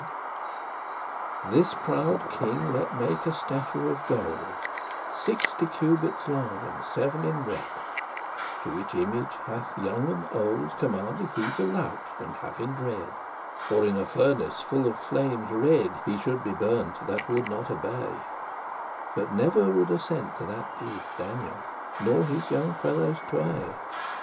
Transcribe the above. *end This proude king let make a statue of gold Sixty cubites long, and seven in bread', To which image hathe young and old Commanded he to lout,* and have in dread, *bow down to Or in a furnace, full of flames red, He should be burnt that woulde not obey: But never would assente to that deed Daniel, nor his younge fellows tway.